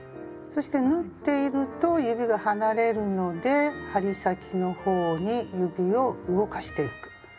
そして縫っていると指が離れるので針先の方に指を動かしてゆく。